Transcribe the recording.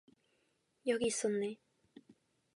여기 있었네.